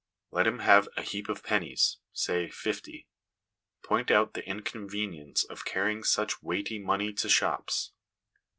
Let him have a heap of pennies, say fifty: point out the inconvenience of carrying such weighty money to shops.